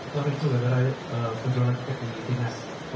tapi juga gara gara penjualan tiket di tim nasional